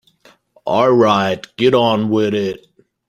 All right, get on with it.